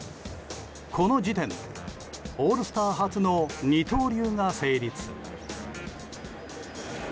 この時点でオールスター初の二刀流が成立。